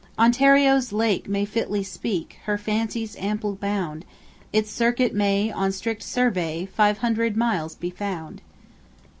Ontario's lake may fitly speak Her fancy's ample bound: Its circuit may, on strict survey Five hundred miles be found.